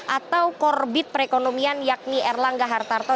atau korbit perekonomian yakni erlangga hartarto